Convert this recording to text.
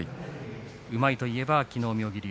うまいと言えばきのうの妙義龍。